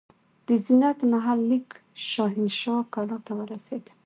د زینت محل لیک شاهنشاه کلا ته ورسېد.